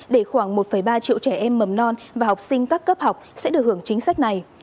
để khoảng một ba triệu trẻ em mầm non và học sinh các cấp học sẽ được hưởng chính sách này